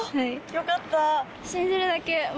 よかった。